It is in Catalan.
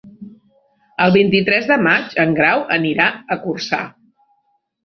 El vint-i-tres de maig en Grau anirà a Corçà.